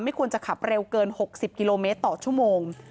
ควรจะขับเร็วเกิน๖๐กิโลเมตรต่อชั่วโมง